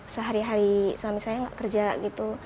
sehari hari suami saya nggak kerja gitu